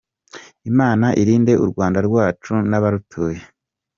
Imana irinde u Rwanda rwacu n’ abarutuye.